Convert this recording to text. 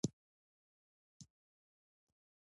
په پښتو کې تر څو څپه ایزه ګړې سته؟